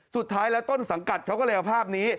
สุดท้ายแล้วต้นสังกัดเขาก็เลยเอาภาพนี้